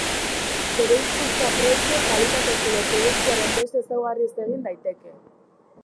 Bereizkuntza prezio, kalitatez edo produktuaren beste ezaugarriez egin daiteke.